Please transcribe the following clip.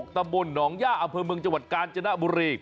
ตำบลหนองย่าอำเภอเมืองจังหวัดกาญจนบุรี